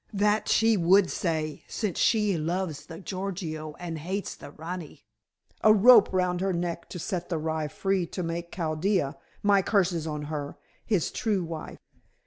"That she would say, since she loves the Gorgio, and hates the rani. A rope round her neck to set the rye free to make Chaldea my curses on her his true wife."